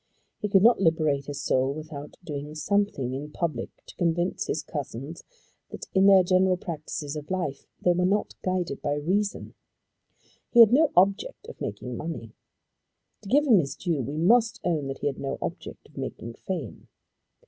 He could not liberate his soul without doing something in public to convince his cousins that in their general practices of life they were not guided by reason. He had no object of making money. To give him his due we must own that he had no object of making fame.